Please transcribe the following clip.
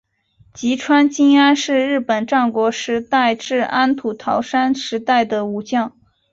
吉川经安是日本战国时代至安土桃山时代的武将。